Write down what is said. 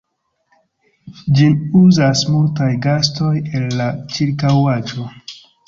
Ĝin uzas multaj gastoj el la ĉirkaŭaĵo.